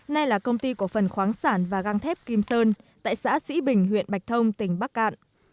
nay là công ty cổ phần khoáng sản và găng thép kim sơn tại xã sĩ bình huyện bạch thông tỉnh bắc cạn